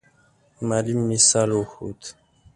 معلم مثال وښود.